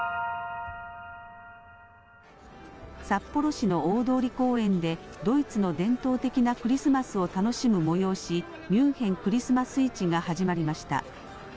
札幌市の大通公園でドイツの伝統的なクリスマスを楽しむ催し、ミュンヘン・クリスマス市が始まりました。